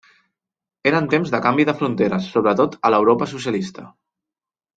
Eren temps de canvi de fronteres, sobretot a l'Europa socialista.